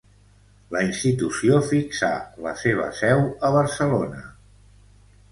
La institució fixà la seva seu a Barcelona.